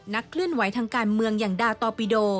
เคลื่อนไหวทางการเมืองอย่างดาตอปิโด